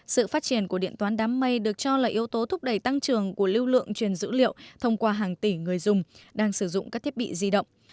sự phát triển của điện toán đám mây được cho là yếu tố thúc đẩy tăng trưởng của lưu lượng truyền dữ liệu thông qua hàng tỷ người dùng đang sử dụng các thiết bị di động